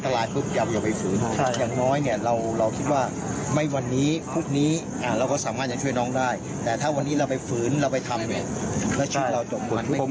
หรือน้องได้แต่ถ้าวันนี้เราไปฝืนเราไปทำโดยเราจบหมด